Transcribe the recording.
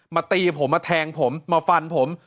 ตีผมมาแทงผมมาฟันผม